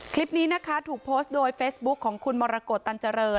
คลิปนี้นะคะถูกโพสต์โดยเฟซบุ๊คของคุณมรกฏตันเจริญ